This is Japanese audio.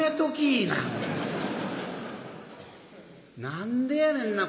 何でやねんな